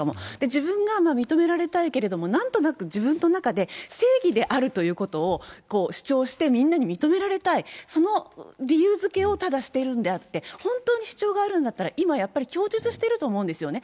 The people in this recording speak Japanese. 自分が認められたいけれども、なんとなく自分の中で正義であるということを主張して、みんなに認められたい、その理由づけをただしているんであって、本当に主張があるんだったら今、やっぱり供述していると思うんですよね。